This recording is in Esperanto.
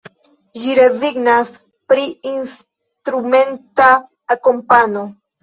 Ĝi rezignas pri instrumenta akompano.